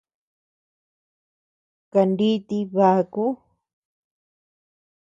Kaniiti baku.